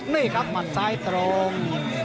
นี่ครับหมัดซ้ายตรง